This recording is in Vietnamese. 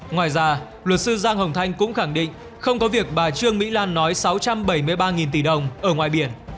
ngoài ra luật sư giang hồng thanh cũng khẳng định không có việc bà trương mỹ lan nói sáu trăm bảy mươi ba tỷ đồng ở ngoài biển